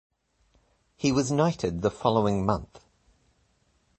He was knighted the following month.